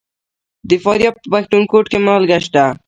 د فاریاب په پښتون کوټ کې مالګه شته.